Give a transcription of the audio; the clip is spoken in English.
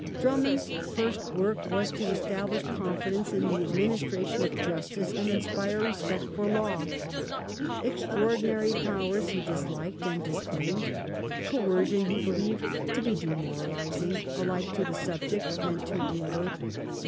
Dammmond's first work was to »/ establish confidence in the administration of justice and inspire respect for law. " Extraordinary " powers he disliked and disclaimed. Coercion he believed to be demoralizing alike to subject and to ruler.